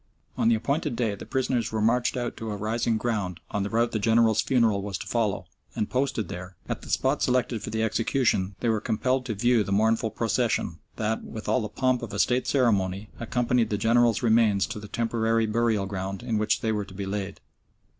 On the appointed day the prisoners were marched out to a rising ground on the route the General's funeral was to follow, and posted there, at the spot selected for the execution, they were compelled to view the mournful procession that, with all the pomp of a State ceremony, accompanied the General's remains to the temporary burial ground in which they were to be laid.